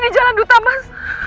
ini di jalan dutamas